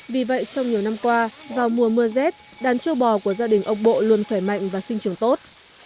vì vậy trong nhiều năm qua vào mùa mưa rét đàn châu bò của gia đình ông bộ luôn khỏe mạnh và sinh trường tốt